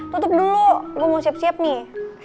tutup dulu gue mau siap siap nih